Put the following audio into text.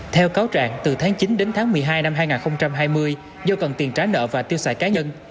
theo cáo trạng từ tháng chín đến tháng một mươi hai năm hai nghìn hai mươi do cần tiền trả nợ và tiêu xài cá nhân